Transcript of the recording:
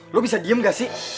lo bisa diem gak sih